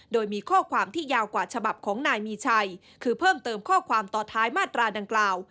โดยมีข้อความที่ยาวกว่าฉบับของนายมีชัยคือเพิ่มเติมข้อความต่อท้ายมาตราดังกล่าว